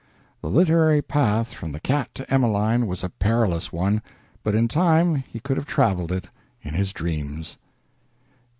The literary path from the cat to Emeline was a perilous one, but in time he could have traveled it in his dreams.